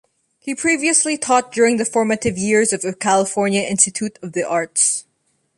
He previously taught during the formative years of the California Institute of the Arts.